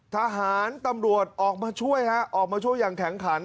ทหารตำรวจออกมาช่วยฮะออกมาช่วยอย่างแข็งขัน